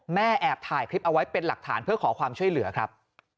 แอบถ่ายคลิปเอาไว้เป็นหลักฐานเพื่อขอความช่วยเหลือครับ